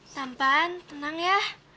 tampan tenang ya